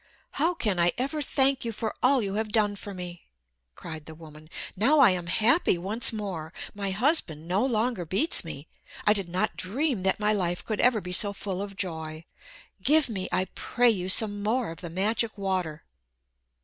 "How can I ever thank you for all you have done for me!" cried the woman. "Now I am happy once more. My husband no longer beats me. I did not dream that my life could ever be so full of joy. Give me, I pray you, some more of the magic water."